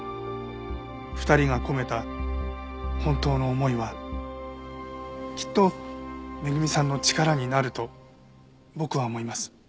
２人が込めた本当の思いはきっと恵さんの力になると僕は思います。